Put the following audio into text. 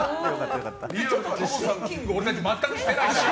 シンキング俺たち全くしてないから。